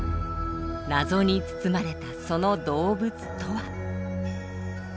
謎に包まれたその動物とは。